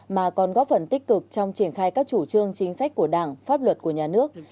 mà còn góp phần tích cực trong triển khai các chủ trương chính sách của đảng pháp luật của nhà nước